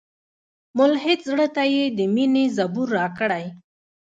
ملحد زړه ته یې د میني زبور راکړی